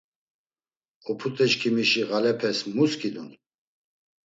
Oput̆eçkimişi ğalepes mu skidun?